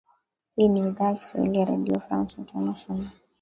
hii ni idhaa ya kiswahili ya radio france international